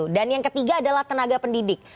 dan yang ketiga adalah tenaga pendidik